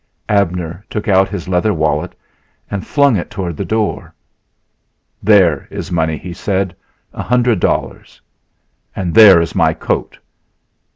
Abner took out his leather wallet and flung it toward the door. "There is money," he said "a hundred dollars and there is my coat.